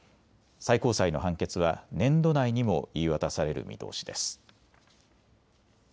最高裁の判決は年度内にも言い渡される見通しです。